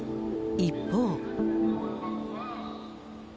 一方。